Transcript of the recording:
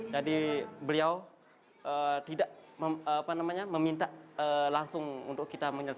jadi beliau tidak meminta langsung untuk kita mengikuti